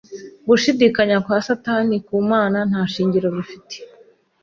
Gushidikanya kwa Satani ku Mana nta shingiro bifite